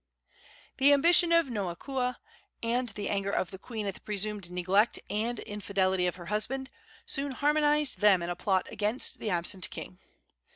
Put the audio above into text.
The ambition of Noakua, and anger of the queen at the presumed neglect and infidelity of her husband, soon harmonized them in a plot against the absent king.